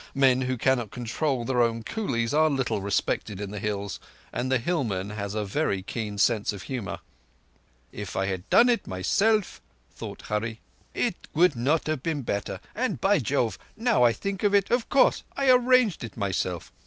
Men who cannot control their own coolies are little respected in the Hills, and the hillman has a very keen sense of humour. "If I had done it myself," thought Hurree, "it would not have been better; and, by Jove, now I think of it, of course I arranged it myself.